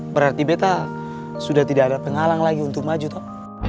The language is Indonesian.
berarti beta sudah tidak ada penghalang lagi untuk maju pak